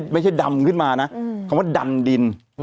ไม่ใช่ดำขึ้นมานะคำว่าดันดิน